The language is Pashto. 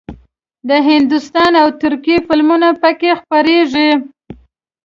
د هندوستان او ترکیې فلمونه پکې خپرېږي.